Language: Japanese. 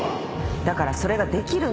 だからそれができるんですよ。